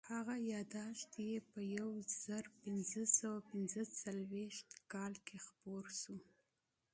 هغه یادښت یې په یو زرو پینځه سوه پینځه څلوېښت کال کې خپور شو.